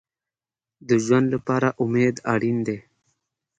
د ژوند لپاره امید اړین دی